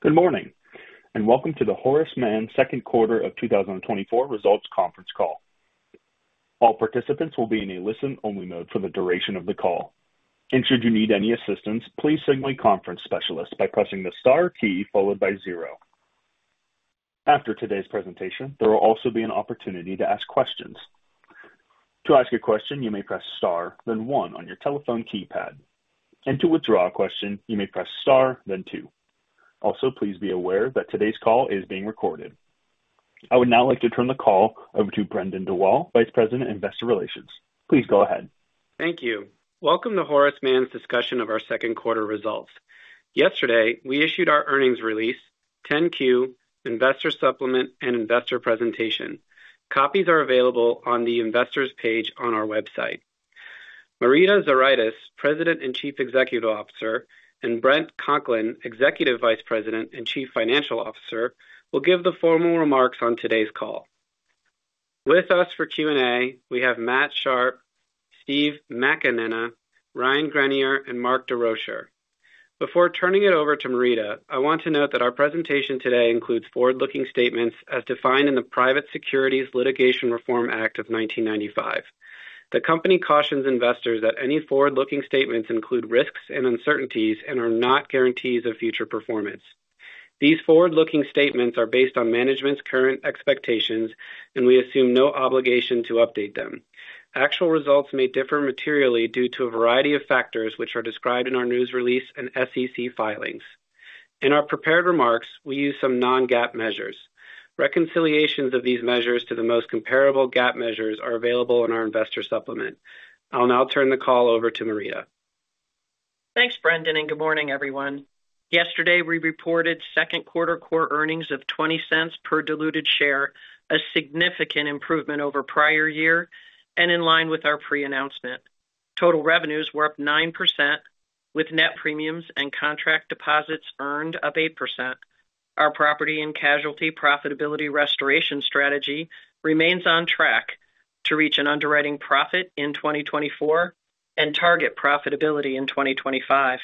Good morning, and welcome to the Horace Mann second quarter of 2024 results conference call. All participants will be in a listen-only mode for the duration of the call, and should you need any assistance, please signal a conference specialist by pressing the Star key followed by 0. After today's presentation, there will also be an opportunity to ask questions. To ask a question, you may press Star, then 1 on your telephone keypad, and to withdraw a question, you may press Star, then 2. Also, please be aware that today's call is being recorded. I would now like to turn the call over to Brendan Dawal, Vice President, Investor Relations. Please go ahead. Thank you. Welcome to Horace Mann's discussion of our second quarter results. Yesterday, we issued our earnings release, 10-Q, investor supplement and investor presentation. Copies are available on the investors page on our website. Marita Zuraitis, President and Chief Executive Officer, and Bret Conklin, Executive Vice President and Chief Financial Officer, will give the formal remarks on today's call. With us for Q&A, we have Matt Sharpe, Steve McAnena, Ryan Greenier, and Mark Desrochers. Before turning it over to Marita, I want to note that our presentation today includes forward-looking statements as defined in the Private Securities Litigation Reform Act of 1995. The company cautions investors that any forward-looking statements include risks and uncertainties and are not guarantees of future performance. These forward-looking statements are based on management's current expectations, and we assume no obligation to update them. Actual results may differ materially due to a variety of factors, which are described in our news release and SEC filings. In our prepared remarks, we use some non-GAAP measures. Reconciliations of these measures to the most comparable GAAP measures are available in our investor supplement. I'll now turn the call over to Marita. Thanks, Brendan, and good morning, everyone. Yesterday, we reported second quarter core earnings of $0.20 per diluted share, a significant improvement over prior year and in line with our pre-announcement. Total revenues were up 9%, with net premiums and contract deposits earned up 8%. Our property and casualty profitability restoration strategy remains on track to reach an underwriting profit in 2024 and target profitability in 2025.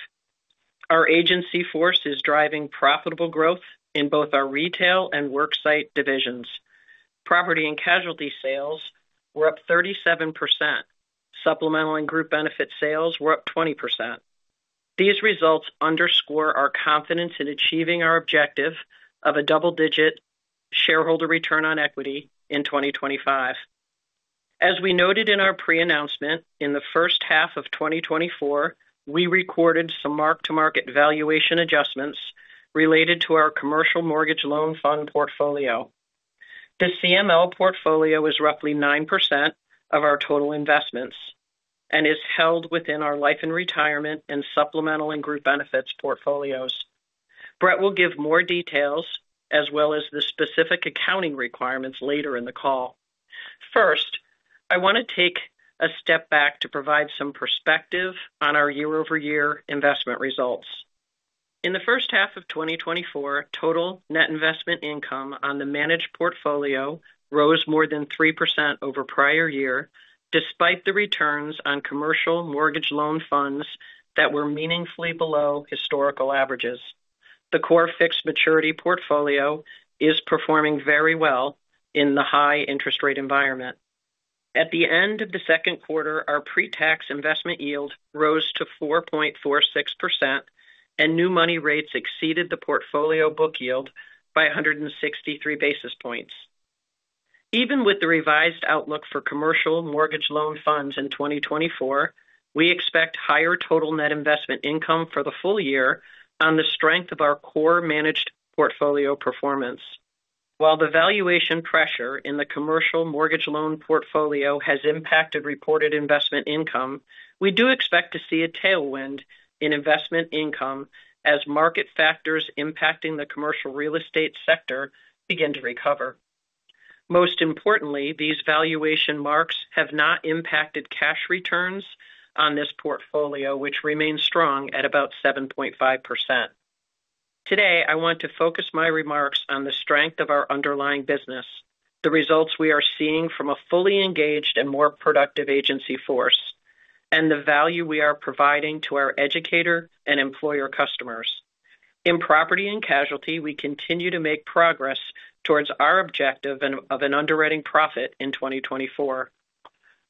Our agency force is driving profitable growth in both our retail and worksite divisions. Property and casualty sales were up 37%. Supplemental and group benefit sales were up 20%. These results underscore our confidence in achieving our objective of a double-digit shareholder return on equity in 2025. As we noted in our pre-announcement, in the first half of 2024, we recorded some mark-to-market valuation adjustments related to our commercial mortgage loan fund portfolio. The CML portfolio is roughly 9% of our total investments and is held within our life and retirement and supplemental and group benefits portfolios. Bret will give more details as well as the specific accounting requirements later in the call. First, I want to take a step back to provide some perspective on our year-over-year investment results. In the first half of 2024, total net investment income on the managed portfolio rose more than 3% over prior year, despite the returns on commercial mortgage loan funds that were meaningfully below historical averages. The core fixed maturity portfolio is performing very well in the high interest rate environment. At the end of the second quarter, our pre-tax investment yield rose to 4.46%, and new money rates exceeded the portfolio book yield by 163 basis points. Even with the revised outlook for commercial mortgage loan funds in 2024, we expect higher total net investment income for the full year on the strength of our core managed portfolio performance. While the valuation pressure in the commercial mortgage loan portfolio has impacted reported investment income, we do expect to see a tailwind in investment income as market factors impacting the commercial real estate sector begin to recover. Most importantly, these valuation marks have not impacted cash returns on this portfolio, which remains strong at about 7.5%. Today, I want to focus my remarks on the strength of our underlying business, the results we are seeing from a fully engaged and more productive agency force, and the value we are providing to our educator and employer customers. In Property and Casualty, we continue to make progress towards our objective of an underwriting profit in 2024.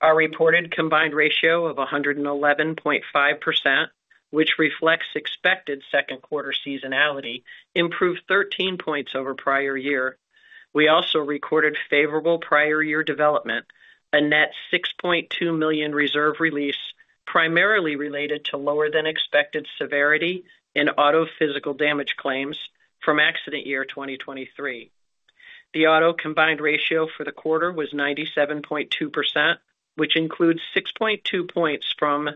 Our reported combined ratio of 111.5%, which reflects expected second quarter seasonality, improved 13 points over prior year. We also recorded favorable prior year development, a net $6.2 million reserve release, primarily related to lower than expected severity in auto physical damage claims from accident year 2023. The auto combined ratio for the quarter was 97.2%, which includes 6.2 points from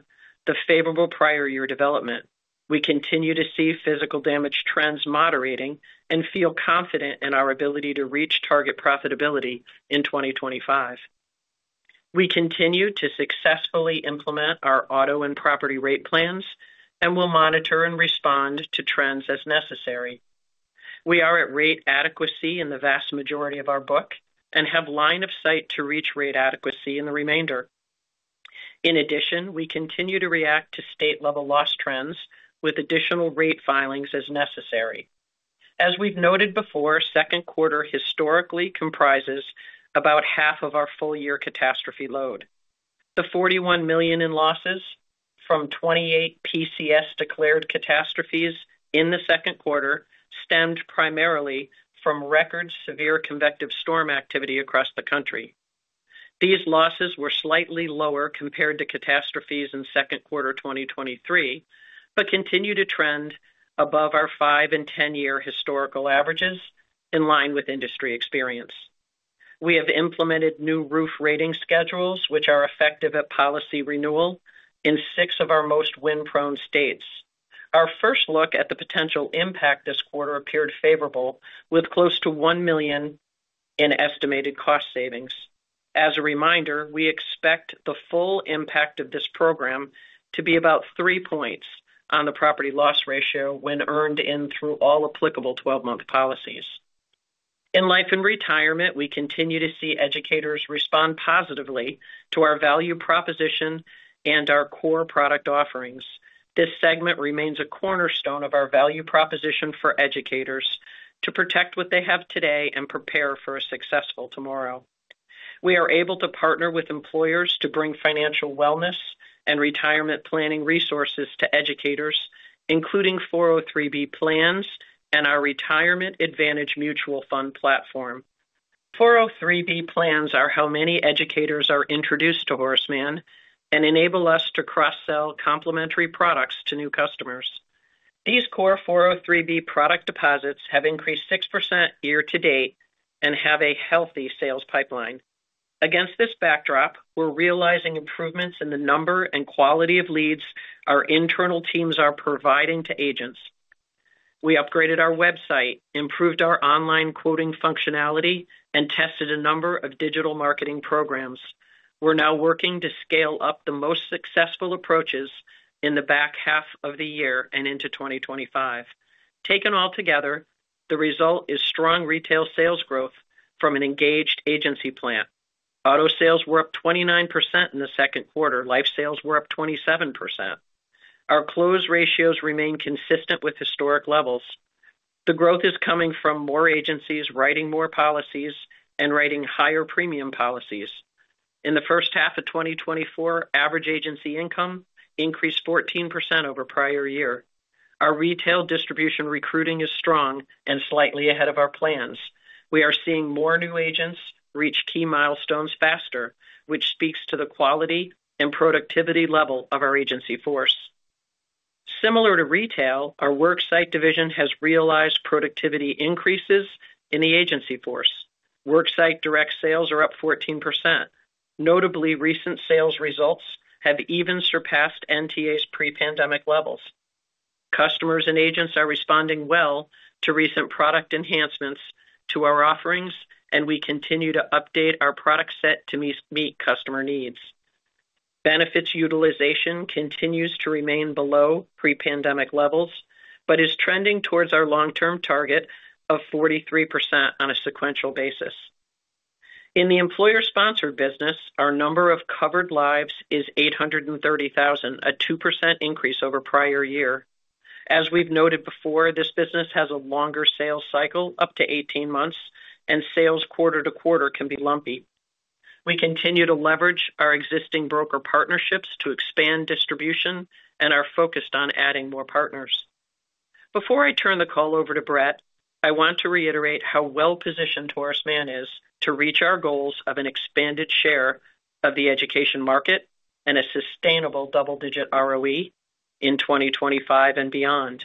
the favorable prior year development. We continue to see physical damage trends moderating and feel confident in our ability to reach target profitability in 2025. We continue to successfully implement our auto and property rate plans and will monitor and respond to trends as necessary. We are at rate adequacy in the vast majority of our book and have line of sight to reach rate adequacy in the remainder. In addition, we continue to react to state-level loss trends with additional rate filings as necessary. As we've noted before, second quarter historically comprises about half of our full year catastrophe load. The $41 million in losses from 28 PCS-declared catastrophes in the second quarter stemmed primarily from record severe convective storm activity across the country. These losses were slightly lower compared to catastrophes in second quarter 2023, but continue to trend above our 5- and 10-year historical averages, in line with industry experience. We have implemented new roof rating schedules, which are effective at policy renewal in 6 of our most wind-prone states. Our first look at the potential impact this quarter appeared favorable, with close to $1 million in estimated cost savings. As a reminder, we expect the full impact of this program to be about three points on the property loss ratio when earned in through all applicable 12-month policies. In Life and Retirement, we continue to see educators respond positively to our value proposition and our core product offerings. This segment remains a cornerstone of our value proposition for educators to protect what they have today and prepare for a successful tomorrow. We are able to partner with employers to bring financial wellness and retirement planning resources to educators, including 403 plans and our Retirement Advantage mutual fund platform. 403 plans are how many educators are introduced to Horace Mann and enable us to cross-sell complementary products to new customers. These core 403 product deposits have increased 6% year to date and have a healthy sales pipeline. Against this backdrop, we're realizing improvements in the number and quality of leads our internal teams are providing to agents. We upgraded our website, improved our online quoting functionality, and tested a number of digital marketing programs. We're now working to scale up the most successful approaches in the back half of the year and into 2025. Taken all together, the result is strong retail sales growth from an engaged agency plan. Auto sales were up 29% in the second quarter. Life sales were up 27%. Our close ratios remain consistent with historic levels. The growth is coming from more agencies writing more policies and writing higher premium policies. In the first half of 2024, average agency income increased 14% over prior year. Our retail distribution recruiting is strong and slightly ahead of our plans. We are seeing more new agents reach key milestones faster, which speaks to the quality and productivity level of our agency force. Similar to retail, our worksite division has realized productivity increases in the agency force. Worksite direct sales are up 14%. Notably, recent sales results have even surpassed NTA's pre-pandemic levels. Customers and agents are responding well to recent product enhancements to our offerings, and we continue to update our product set to meet customer needs. Benefits utilization continues to remain below pre-pandemic levels, but is trending towards our long-term target of 43% on a sequential basis. In the employer-sponsored business, our number of covered lives is 830,000, a 2% increase over prior year. As we've noted before, this business has a longer sales cycle, up to 18 months, and sales quarter to quarter can be lumpy. We continue to leverage our existing broker partnerships to expand distribution and are focused on adding more partners. Before I turn the call over to Bret, I want to reiterate how well-positioned Horace Mann is to reach our goals of an expanded share of the education market and a sustainable double-digit ROE in 2025 and beyond.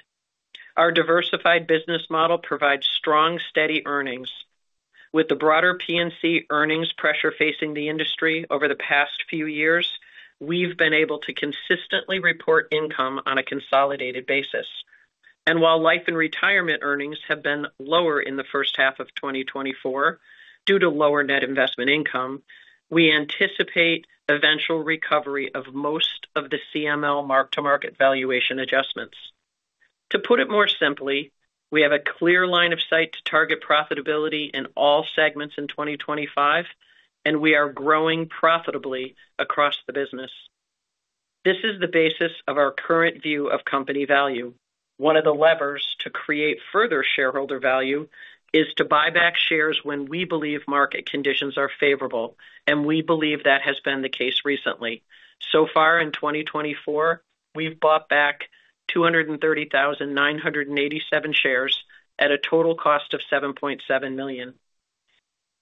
Our diversified business model provides strong, steady earnings. With the broader P&C earnings pressure facing the industry over the past few years, we've been able to consistently report income on a consolidated basis. And while life and retirement earnings have been lower in the first half of 2024 due to lower net investment income, we anticipate eventual recovery of most of the CML mark-to-market valuation adjustments. To put it more simply, we have a clear line of sight to target profitability in all segments in 2025, and we are growing profitably across the business. This is the basis of our current view of company value. One of the levers to create further shareholder value is to buy back shares when we believe market conditions are favorable, and we believe that has been the case recently. So far in 2024, we've bought back 230,987 shares at a total cost of $7.7 million.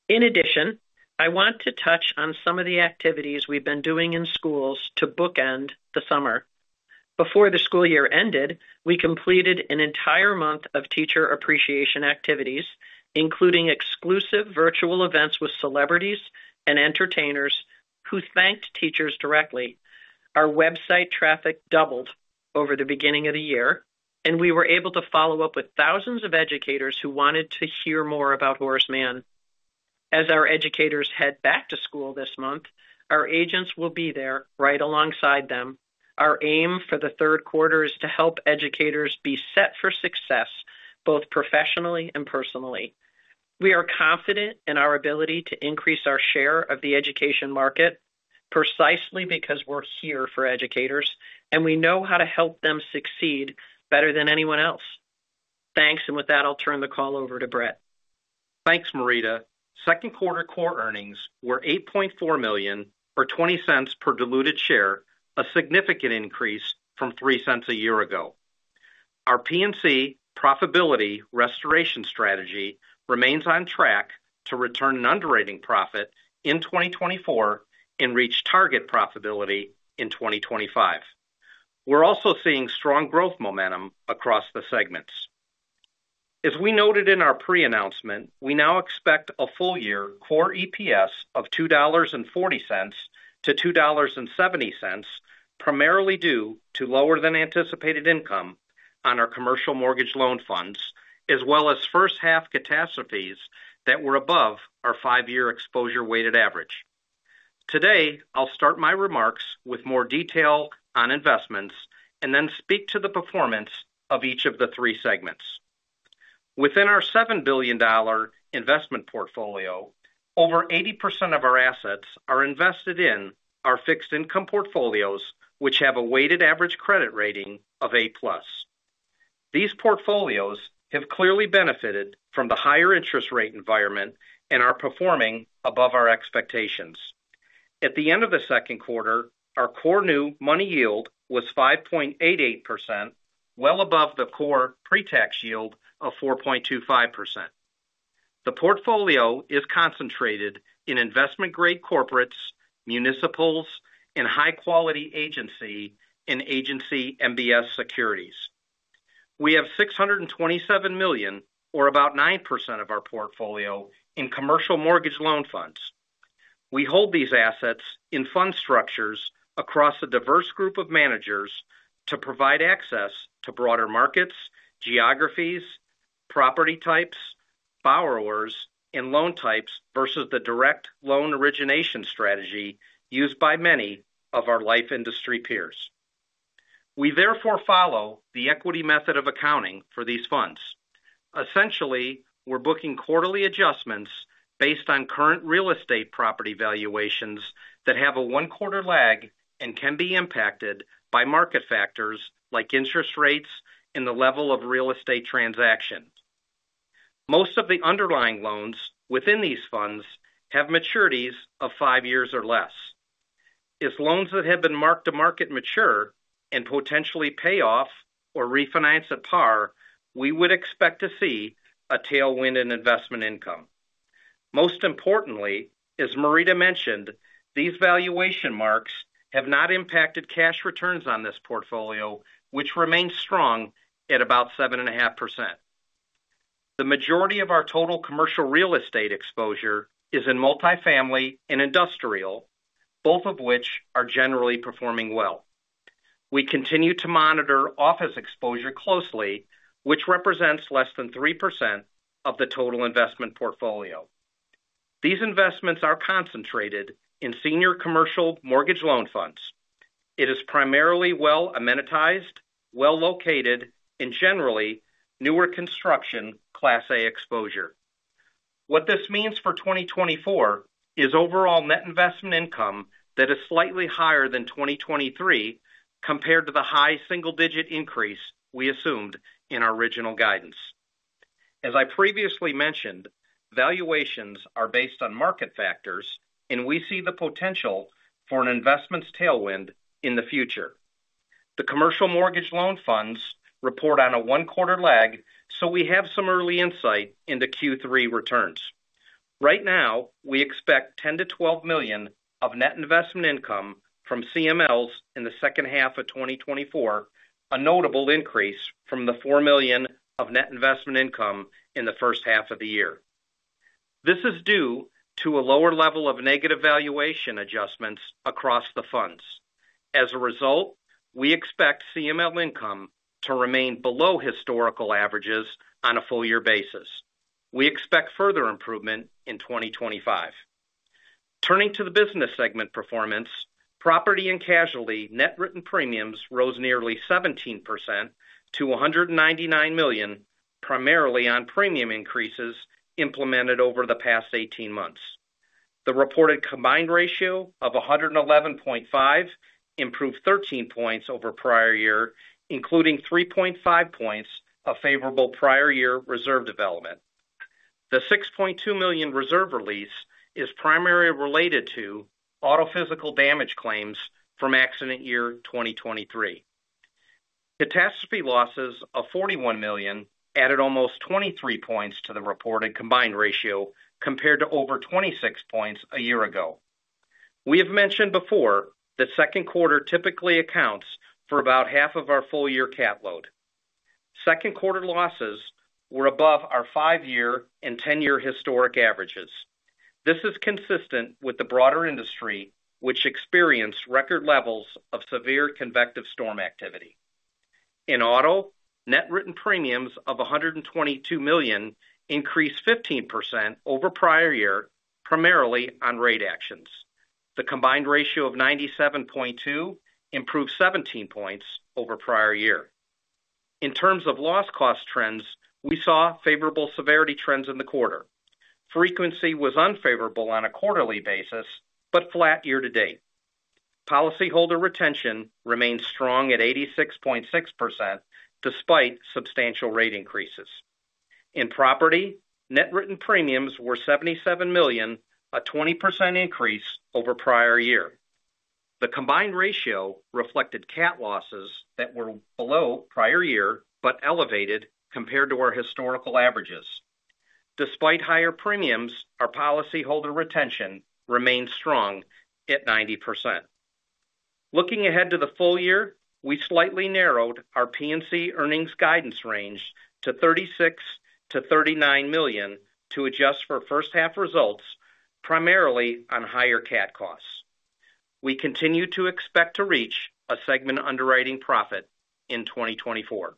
In addition, I want to touch on some of the activities we've been doing in schools to bookend the summer. Before the school year ended, we completed an entire month of teacher appreciation activities, including exclusive virtual events with celebrities and entertainers who thanked teachers directly. Our website traffic doubled over the beginning of the year, and we were able to follow up with thousands of educators who wanted to hear more about Horace Mann. As our educators head back to school this month, our agents will be there right alongside them. Our aim for the third quarter is to help educators be set for success, both professionally and personally.... We are confident in our ability to increase our share of the education market, precisely because we're here for educators, and we know how to help them succeed better than anyone else. Thanks. And with that, I'll turn the call over to Bret. Thanks, Marita. Second quarter core earnings were $8.4 million, or $0.20 per diluted share, a significant increase from $0.03 a year ago. Our P&C profitability restoration strategy remains on track to return an underwriting profit in 2024 and reach target profitability in 2025. We're also seeing strong growth momentum across the segments. As we noted in our pre-announcement, we now expect a full year core EPS of $2.40-$2.70, primarily due to lower than anticipated income on our commercial mortgage loan funds, as well as first half catastrophes that were above our five-year exposure weighted average. Today, I'll start my remarks with more detail on investments and then speak to the performance of each of the three segments. Within our $7 billion investment portfolio, over 80% of our assets are invested in our fixed income portfolios, which have a weighted average credit rating of A+. These portfolios have clearly benefited from the higher interest rate environment and are performing above our expectations. At the end of the second quarter, our core new money yield was 5.88%, well above the core pre-tax yield of 4.25%. The portfolio is concentrated in investment-grade corporates, municipals, and high-quality agency and agency MBS securities. We have $627 million, or about 9% of our portfolio, in commercial mortgage loan funds. We hold these assets in fund structures across a diverse group of managers to provide access to broader markets, geographies, property types, borrowers, and loan types versus the direct loan origination strategy used by many of our life industry peers. We therefore follow the equity method of accounting for these funds. Essentially, we're booking quarterly adjustments based on current real estate property valuations that have a one-quarter lag and can be impacted by market factors like interest rates and the level of real estate transaction. Most of the underlying loans within these funds have maturities of five years or less. If loans that have been marked to market mature and potentially pay off or refinance at par, we would expect to see a tailwind in investment income. Most importantly, as Marita mentioned, these valuation marks have not impacted cash returns on this portfolio, which remains strong at about 7.5%. The majority of our total commercial real estate exposure is in multifamily and industrial, both of which are generally performing well. We continue to monitor office exposure closely, which represents less than 3% of the total investment portfolio. These investments are concentrated in senior commercial mortgage loan funds. It is primarily well-amenitized, well-located, and generally newer construction Class A exposure. What this means for 2024 is overall net investment income that is slightly higher than 2023 compared to the high single-digit increase we assumed in our original guidance. As I previously mentioned, valuations are based on market factors, and we see the potential for an investments tailwind in the future. The commercial mortgage loan funds report on a 1-quarter lag, so we have some early insight into Q3 returns. Right now, we expect $10 million-$12 million of net investment income from CMLs in the second half of 2024, a notable increase from the $4 million of net investment income in the first half of the year. This is due to a lower level of negative valuation adjustments across the funds. As a result, we expect CML income to remain below historical averages on a full year basis. We expect further improvement in 2025. Turning to the business segment performance, Property and Casualty net written premiums rose nearly 17% to $199 million, primarily on premium increases implemented over the past 18 months. The reported combined ratio of 111.5 improved 13 points over prior year, including 3.5 points of favorable prior year reserve development. The $6.2 million reserve release is primarily related to auto physical damage claims from accident year 2023. Catastrophe losses of $41 million added almost 23 points to the reported combined ratio, compared to over 26 points a year ago. We have mentioned before that second quarter typically accounts for about half of our full-year cat load. Second quarter losses were above our 5-year and 10-year historic averages. This is consistent with the broader industry, which experienced record levels of severe convective storm activity. In auto, net written premiums of $122 million increased 15% over prior year, primarily on rate actions. The combined ratio of 97.2 improved 17 points over prior year. In terms of loss cost trends, we saw favorable severity trends in the quarter. Frequency was unfavorable on a quarterly basis, but flat year-to-date. Policyholder retention remains strong at 86.6%, despite substantial rate increases. In property, net written premiums were $77 million, a 20% increase over prior year. The combined ratio reflected cat losses that were below prior year, but elevated compared to our historical averages. Despite higher premiums, our policyholder retention remains strong at 90%. Looking ahead to the full year, we slightly narrowed our P&C earnings guidance range to $36 million-$39 million to adjust for first half results, primarily on higher cat costs. We continue to expect to reach a segment underwriting profit in 2024.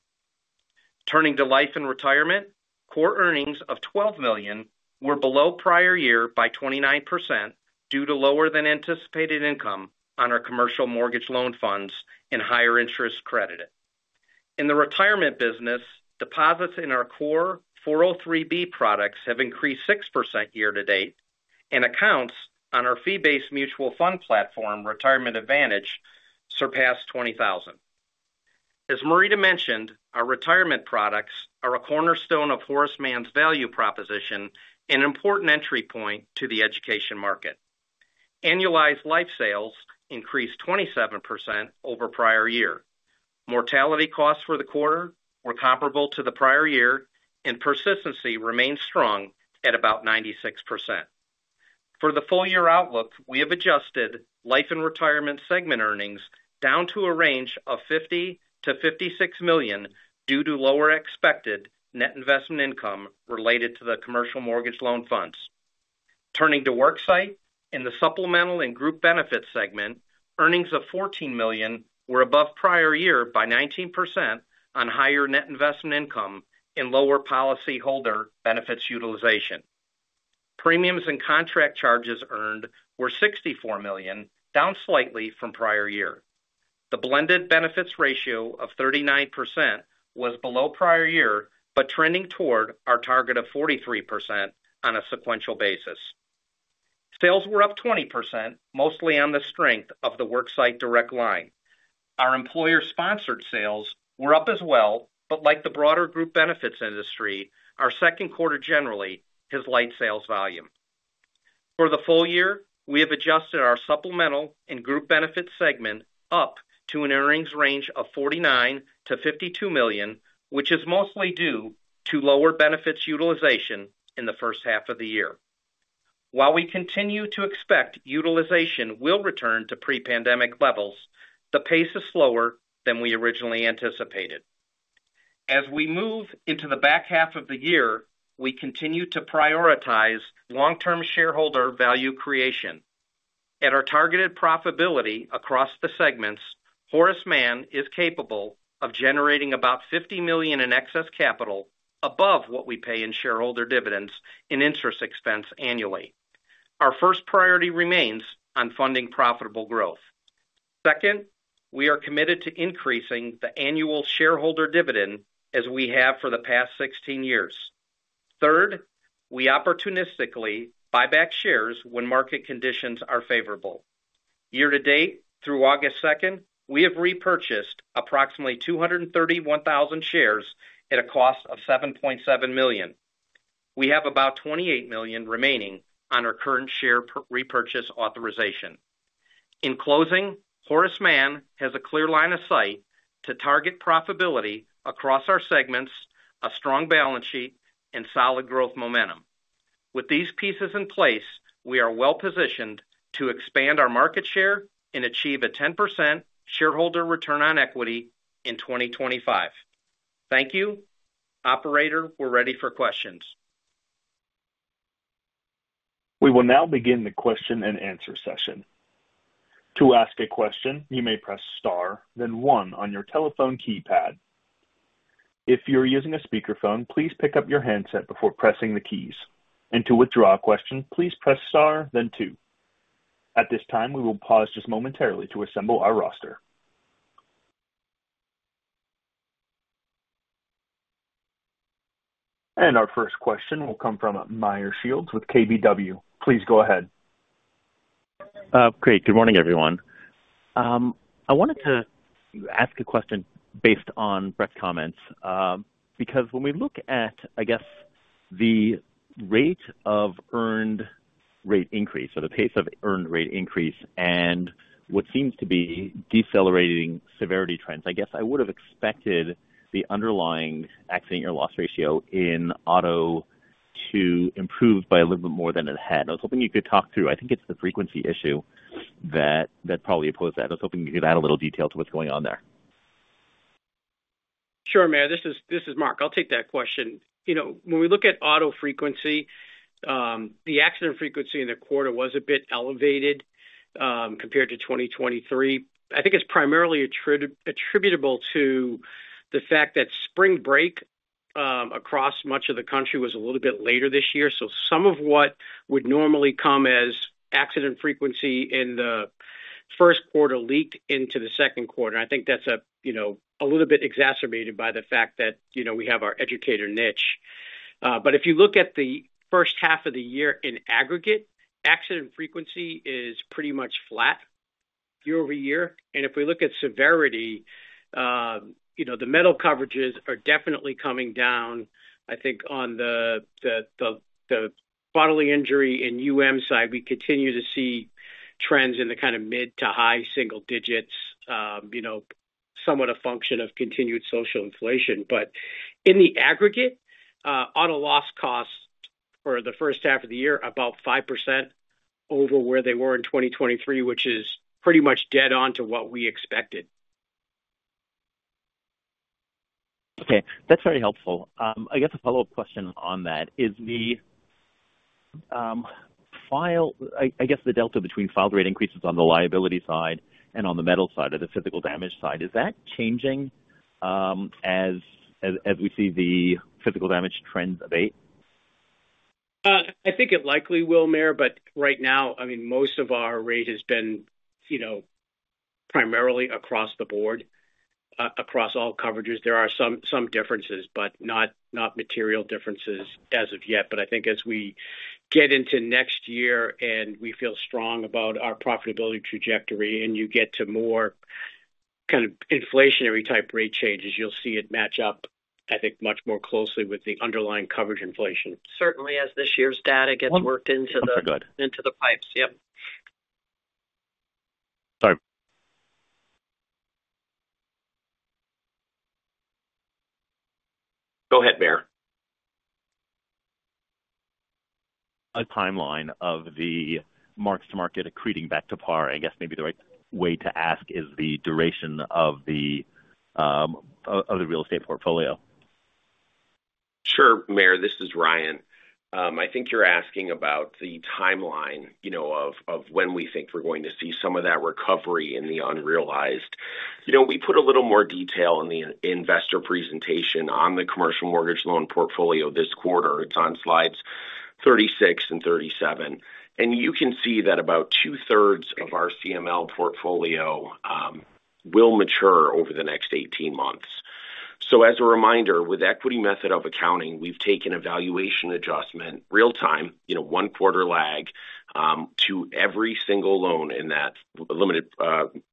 Turning to Life and Retirement, core earnings of $12 million were below prior year by 29% due to lower than anticipated income on our commercial mortgage loan funds and higher interest credited. In the retirement business, deposits in our core 403(b) products have increased 6% year-to-date, and accounts on our fee-based mutual fund platform, Retirement Advantage, surpassed 20,000. As Marita mentioned, our retirement products are a cornerstone of Horace Mann's value proposition, an important entry point to the education market. Annualized life sales increased 27% over prior year. Mortality costs for the quarter were comparable to the prior year, and persistency remains strong at about 96%. For the full year outlook, we have adjusted Life and Retirement segment earnings down to a range of $50 million-$56 million due to lower expected net investment income related to the commercial mortgage loan funds. Turning to worksite, in the Supplemental and Group Benefits segment, earnings of $14 million were above prior year by 19% on higher net investment income and lower policyholder benefits utilization. Premiums and contract charges earned were $64 million, down slightly from prior year. The blended benefits ratio of 39% was below prior year, but trending toward our target of 43% on a sequential basis. Sales were up 20%, mostly on the strength of the worksite direct line. Our employer-sponsored sales were up as well, but like the broader group benefits industry, our second quarter generally is light sales volume. For the full year, we have adjusted our Supplemental and Group Benefits segment up to an earnings range of $49 million-$52 million, which is mostly due to lower benefits utilization in the first half of the year. While we continue to expect utilization will return to pre-pandemic levels, the pace is slower than we originally anticipated. As we move into the back half of the year, we continue to prioritize long-term shareholder value creation. At our targeted profitability across the segments, Horace Mann is capable of generating about $50 million in excess capital above what we pay in shareholder dividends and interest expense annually. Our first priority remains on funding profitable growth. Second, we are committed to increasing the annual shareholder dividend, as we have for the past 16 years. Third, we opportunistically buy back shares when market conditions are favorable. Year-to-date, through August second, we have repurchased approximately 231,000 shares at a cost of $7.7 million. We have about $28 million remaining on our current share repurchase authorization. In closing, Horace Mann has a clear line of sight to target profitability across our segments, a strong balance sheet, and solid growth momentum. With these pieces in place, we are well-positioned to expand our market share and achieve a 10% shareholder return on equity in 2025. Thank you. Operator, we're ready for questions. We will now begin the question-and-answer session. To ask a question, you may press star, then one on your telephone keypad. If you are using a speakerphone, please pick up your handset before pressing the keys. To withdraw a question, please press star, then two. At this time, we will pause just momentarily to assemble our roster. Our first question will come from Meyer Shields with KBW. Please go ahead. Great. Good morning, everyone. I wanted to ask a question based on Bret's comments, because when we look at, I guess, the rate of earned rate increase or the pace of earned rate increase and what seems to be decelerating severity trends, I guess I would have expected the underlying accident or loss ratio in auto to improve by a little bit more than it had. I was hoping you could talk through... I think it's the frequency issue that, that probably opposed that. I was hoping you could add a little detail to what's going on there. Sure, Meyer. This is Mark. I'll take that question. You know, when we look at auto frequency, the accident frequency in the quarter was a bit elevated, compared to 2023. I think it's primarily attributable to the fact that spring break, across much of the country was a little bit later this year. So some of what would normally come as accident frequency in the first quarter leaked into the second quarter. I think that's a, you know, a little bit exacerbated by the fact that, you know, we have our educator niche. But if you look at the first half of the year in aggregate, accident frequency is pretty much flat year-over-year. And if we look at severity, you know, the metal coverages are definitely coming down. I think on the bodily injury and UM side, we continue to see trends in the kind of mid to high single digits, you know, somewhat a function of continued social inflation. But in the aggregate, auto loss costs for the first half of the year, about 5% over where they were in 2023, which is pretty much dead on to what we expected. Okay, that's very helpful. I guess a follow-up question on that is the delta between filed rate increases on the liability side and on the metal side or the physical damage side, is that changing, as we see the physical damage trends abate? I think it likely will, Meyer, but right now, I mean, most of our rate has been, you know, primarily across the board, across all coverages. There are some differences, but not material differences as of yet. But I think as we get into next year and we feel strong about our profitability trajectory, and you get to more kind of inflationary type rate changes, you'll see it match up, I think, much more closely with the underlying coverage inflation. Certainly, as this year's data gets worked into the- Good. into the pipes. Yep. Sorry. Go ahead, Meyer. A timeline of the mark-to-market accreting back to par. I guess maybe the right way to ask is the duration of the real estate portfolio. Sure, Meyer, this is Ryan. I think you're asking about the timeline, you know, of, of when we think we're going to see some of that recovery in the unrealized. You know, we put a little more detail in the investor presentation on the commercial mortgage loan portfolio this quarter. It's on slides 36 and 37. And you can see that about two-thirds of our CML portfolio will mature over the next 18 months. So as a reminder, with equity method of accounting, we've taken a valuation adjustment, real time, you know, one quarter lag, to every single loan in that limited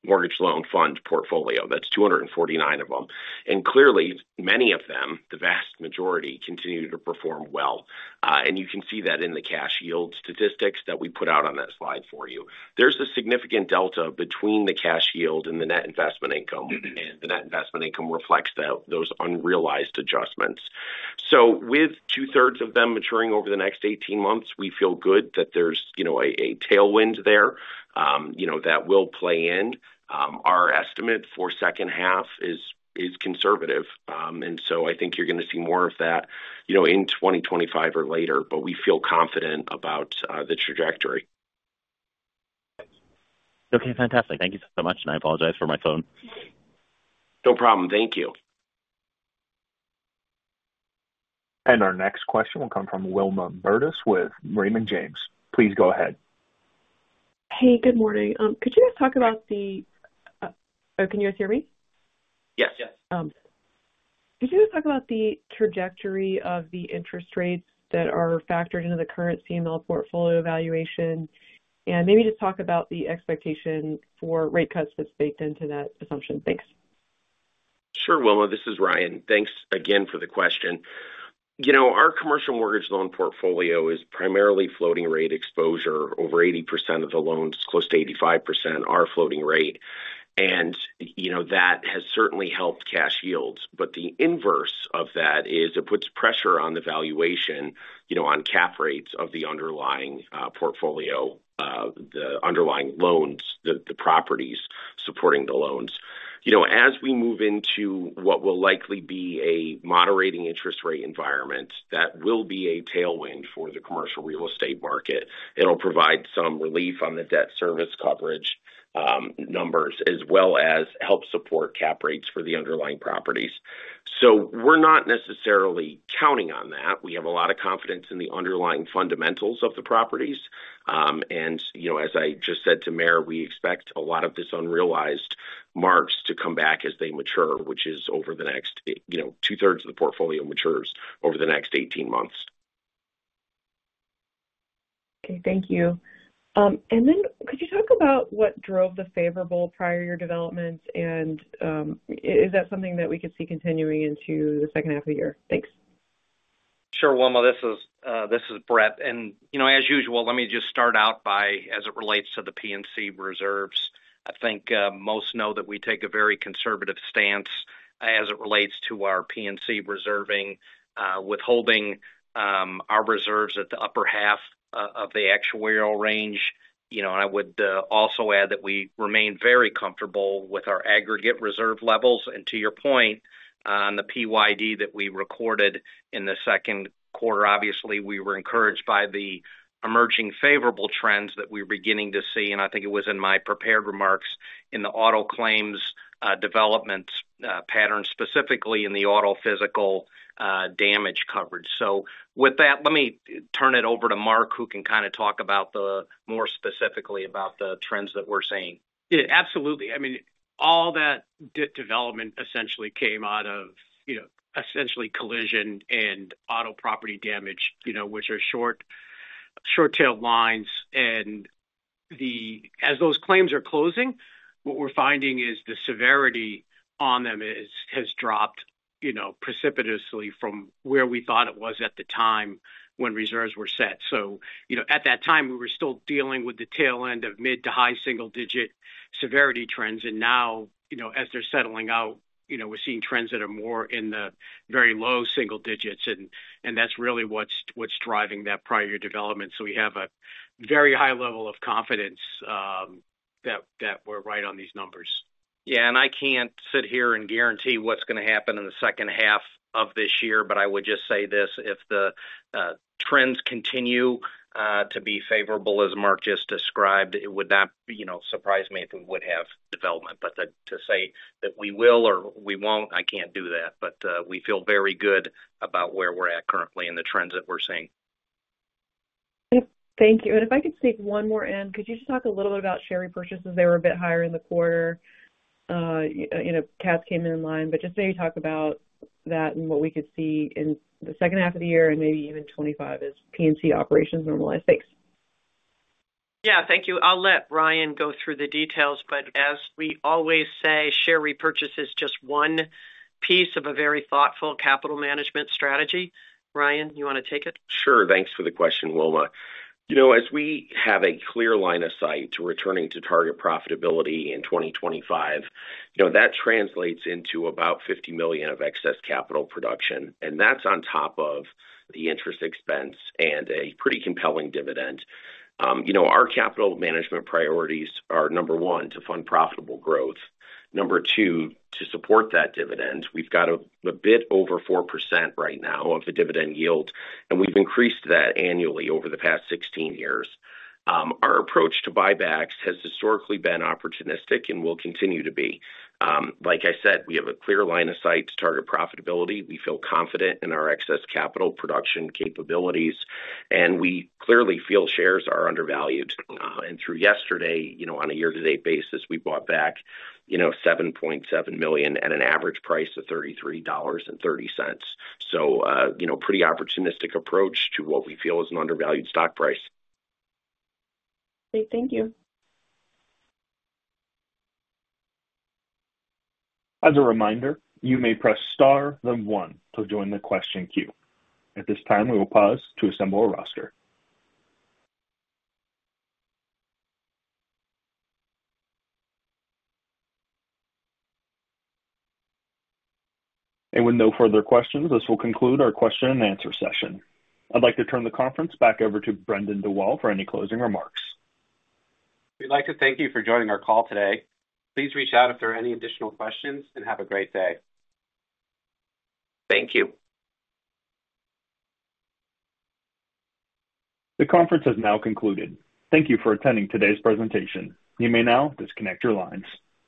mortgage loan fund portfolio. That's 249 of them. And clearly, many of them, the vast majority, continue to perform well, and you can see that in the cash yield statistics that we put out on that slide for you. There's a significant delta between the cash yield and the net investment income, and the net investment income reflects those unrealized adjustments. So with two-thirds of them maturing over the next 18 months, we feel good that there's, you know, a tailwind there, you know, that will play in. Our estimate for second half is conservative. And so I think you're going to see more of that, you know, in 2025 or later, but we feel confident about the trajectory. Okay, fantastic. Thank you so much, and I apologize for my phone. No problem. Thank you. Our next question will come from Wilma Burdis with Raymond James. Please go ahead. Hey, good morning. Could you just talk about the... Oh, can you guys hear me? Yes. Yes. Could you just talk about the trajectory of the interest rates that are factored into the current CML portfolio valuation? And maybe just talk about the expectation for rate cuts that's baked into that assumption. Thanks. Sure, Wilma, this is Ryan. Thanks again for the question. You know, our commercial mortgage loan portfolio is primarily floating rate exposure. Over 80% of the loans, close to 85%, are floating rate, and, you know, that has certainly helped cash yields. But the inverse of that is it puts pressure on the valuation, you know, on cap rates of the underlying portfolio, the underlying loans, the properties supporting the loans. You know, as we move into what will likely be a moderating interest rate environment, that will be a tailwind for the commercial real estate market. It'll provide some relief on the debt service coverage numbers, as well as help support cap rates for the underlying properties. So we're not necessarily counting on that. We have a lot of confidence in the underlying fundamentals of the properties. You know, as I just said to Meyer, we expect a lot of this unrealized marks to come back as they mature, which is over the next, you know, two-thirds of the portfolio matures over the next 18 months. Okay. Thank you. And then could you talk about what drove the favorable prior year developments? And is that something that we could see continuing into the second half of the year? Thanks. Sure, Wilma, this is Bret, and you know, as usual, let me just start out by as it relates to the P&C reserves. I think most know that we take a very conservative stance as it relates to our P&C reserving, withholding our reserves at the upper half of the actuarial range. You know, and I would also add that we remain very comfortable with our aggregate reserve levels. And to your point on the PYD that we recorded in the second quarter, obviously, we were encouraged by the emerging favorable trends that we're beginning to see, and I think it was in my prepared remarks in the auto claims development pattern, specifically in the auto physical damage coverage. So with that, let me turn it over to Mark, who can kind of talk about the more specifically about the trends that we're seeing. Yeah, absolutely. I mean, all that development essentially came out of, you know, essentially collision and auto property damage, you know, which are short, short-tailed lines. And as those claims are closing, what we're finding is the severity on them has dropped, you know, precipitously from where we thought it was at the time when reserves were set. So, you know, at that time, we were still dealing with the tail end of mid to high single digit severity trends. And now, you know, as they're settling out, you know, we're seeing trends that are more in the very low single digits, and that's really what's driving that prior year development. So we have a very high level of confidence that we're right on these numbers. Yeah, and I can't sit here and guarantee what's going to happen in the second half of this year, but I would just say this: if the trends continue to be favorable, as Mark just described, it would not, you know, surprise me if we would have development. But to say that we will or we won't, I can't do that. But we feel very good about where we're at currently and the trends that we're seeing. Thank you. If I could sneak one more in, could you just talk a little bit about share repurchases? They were a bit higher in the quarter. You know, cats came in line, but just maybe talk about that and what we could see in the second half of the year and maybe even 25 as P&C operations normalize. Thanks. Yeah, thank you. I'll let Ryan go through the details, but as we always say, share repurchase is just one piece of a very thoughtful capital management strategy. Ryan, you want to take it? Sure. Thanks for the question, Wilma. You know, as we have a clear line of sight to returning to target profitability in 2025, you know, that translates into about $50 million of excess capital production, and that's on top of the interest expense and a pretty compelling dividend. You know, our capital management priorities are, 1, to fund profitable growth. 2, to support that dividend. We've got a bit over 4% right now of the dividend yield, and we've increased that annually over the past 16 years. Our approach to buybacks has historically been opportunistic and will continue to be. Like I said, we have a clear line of sight to target profitability. We feel confident in our excess capital production capabilities, and we clearly feel shares are undervalued. And through yesterday, you know, on a year-to-date basis, we bought back, you know, 7.7 million at an average price of $33.30. So, you know, pretty opportunistic approach to what we feel is an undervalued stock price. Great. Thank you. As a reminder, you may press star, then one to join the question queue. At this time, we will pause to assemble a roster. With no further questions, this will conclude our question and answer session. I'd like to turn the conference back over to Brendan Dawal for any closing remarks. We'd like to thank you for joining our call today. Please reach out if there are any additional questions, and have a great day. Thank you. The conference has now concluded. Thank you for attending today's presentation. You may now disconnect your lines.